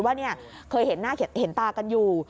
ว่าเคยเห็นหน้าเห็นตากันอยู่